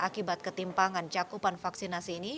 akibat ketimpangan cakupan vaksinasi ini